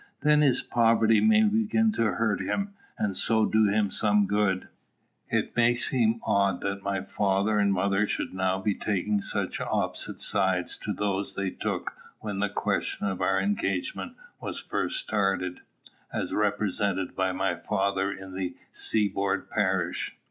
Then his poverty may begin to hurt him, and so do him some good. It may seem odd that my father and mother should now be taking such opposite sides to those they took when the question of our engagement was first started, as represented by my father in "The Seaboard Parish."